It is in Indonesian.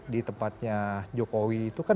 di tempatnya jokowi itu kan